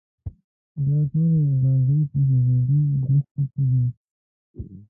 دا ټولې ابادۍ په سوځنده دښتو کې دي.